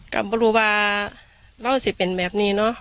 ก็พูดว่าเราสิเป็นแบบนี้นะ